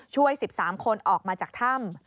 ช่วย๑๓คนออกมาจากถ้ำ